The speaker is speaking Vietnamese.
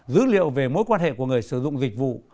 dữ liệu về mối quan hệ của người sử dụng dịch vụ